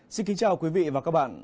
xin kính chào quý vị và các bạn